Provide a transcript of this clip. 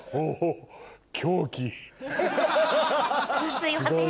すいません。